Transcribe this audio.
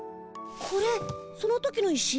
これその時の石？